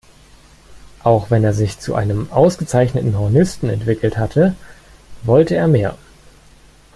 Auch wenn er sich zu einem ausgezeichneten Hornisten entwickelt hatte, wollte er mehr.